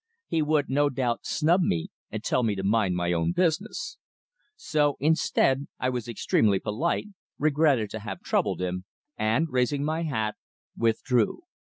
He would, no doubt, snub me and tell me to mind my own business. So instead, I was extremely polite, regretted to have troubled him, and, raising my hat, withdrew.